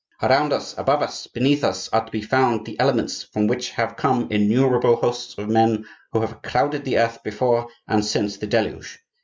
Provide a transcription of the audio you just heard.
Around us, above us, beneath us, are to be found the elements from which have come innumerable hosts of men who have crowded the earth before and since the deluge.